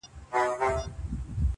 په مجلس کي به یې وویل نظمونه!